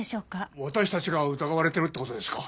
私たちが疑われてるって事ですか？